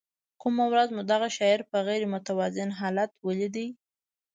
کومه ورځ مو دغه شاعر په غیر متوازن حالت ولید.